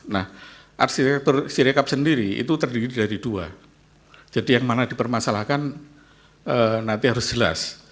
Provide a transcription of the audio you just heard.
nah arsitektur sirekap sendiri itu terdiri dari dua jadi yang mana dipermasalahkan nanti harus jelas